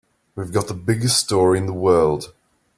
We've got the biggest story in the world.